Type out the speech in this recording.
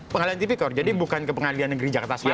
pengadilan tipikor jadi bukan ke pengadilan negeri jakarta selatan